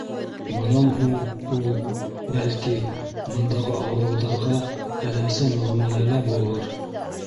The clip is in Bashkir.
Бынан һуң ул, бәлки, бындағы ауырыуҙарға әҙәмсә мөғәмәләлә булыр?